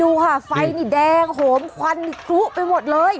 ดูค่ะไฟนี่แดงโหมควันนี่กลุไปหมดเลย